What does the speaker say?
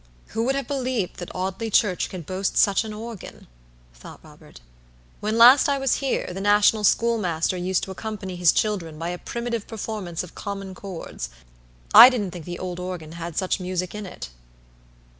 "Who would have believed that Audley church could boast such an organ?" thought Robert. "When last I was here, the national schoolmaster used to accompany his children by a primitive performance of common chords. I didn't think the old organ had such music in it."